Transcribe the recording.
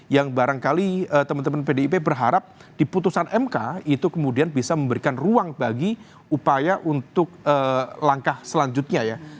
yang barangkali teman teman pdip berharap di putusan mk itu kemudian bisa memberikan ruang bagi upaya untuk langkah selanjutnya ya